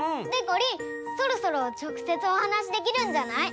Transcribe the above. こりんそろそろちょくせつお話しできるんじゃない？